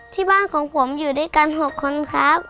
ที่บ้านของผมอยู่ด้วยกัน๖คนครับ